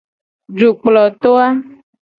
Dukploto a.